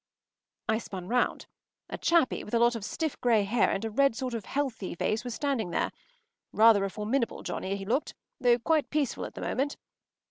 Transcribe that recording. ” I spun round. A chappie with a lot of stiff grey hair and a red sort of healthy face was standing there. Rather a formidable Johnnie, he looked, though quite peaceful at the moment.